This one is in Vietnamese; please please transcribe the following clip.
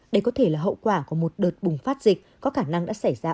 đây có thể là hậu quả của một đợt bùng phát dịch có khả năng đã xảy ra